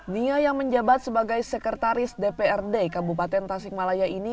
nia yang menjabat sebagai sekretaris dprd kabupaten tasikmalaya ini